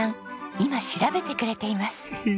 今調べてくれています。